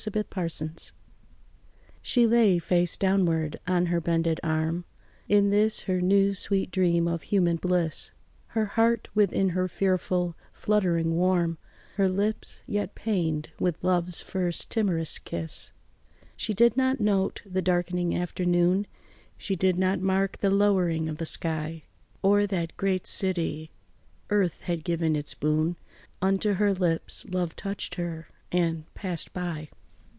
Out of Pompeii She lay, face downward, on her bended arm, In this her new, sweet dream of human bliss, Her heart within her fearful, fluttering, warm, Her lips yet pained with love's first timorous kiss. She did not note the darkening afternoon, She did not mark the lowering of the sky O'er that great city. Earth had given its boon Unto her lips, love touched her and passed by.